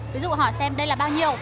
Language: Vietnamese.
ví dụ họ xem đây là bao nhiêu hiểu chưa